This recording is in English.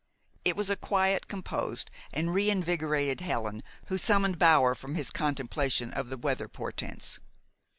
It was a quite composed and reinvigorated Helen who summoned Bower from his contemplation of the weather portents.